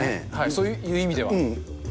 そういう意味では。